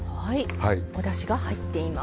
おだしが入っています。